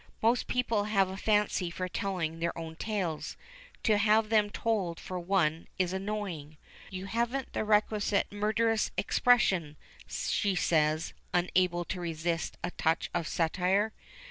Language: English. Most people have a fancy for telling their own tales, to have them told for one is annoying. "You haven't the requisite murderous expression," she says, unable to resist a touch of satire.